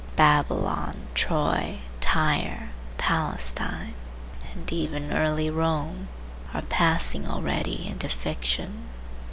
Babylon, Troy, Tyre, Palestine, and even early Rome are passing already into fiction.